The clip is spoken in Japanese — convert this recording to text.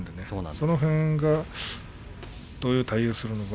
その辺がどういう対応をするのか。